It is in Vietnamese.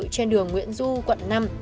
trên đường nguyễn du quận năm